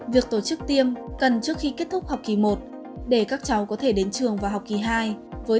việc tổ chức tiêm cần trước khi kết thúc học kỳ một để các cháu có thể đến trường và học kỳ hai